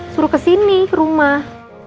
suruh ke sini ke rumah